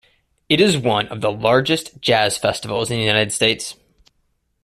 It is one of the largest jazz festivals in the United States.